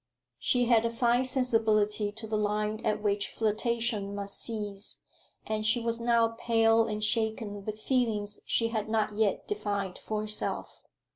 She had a fine sensibility to the line at which flirtation must cease; and she was now pale and shaken with feelings she had not yet defined for herself.